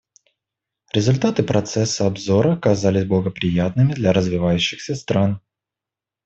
Результаты процесса обзора оказались благоприятными для развивающихся стран.